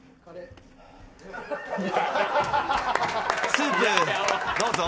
スープ、どうぞ。